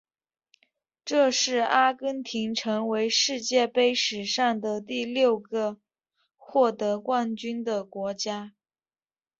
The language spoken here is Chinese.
这是阿根廷成为世界杯史上的第六个获得冠军的国家。